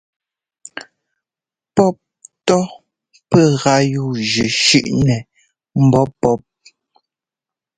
Pɔ́p ntɔ́ pɛ́ gá yúujʉ́ shʉ́ꞌnɛ mbɔ̌ pɔ́p.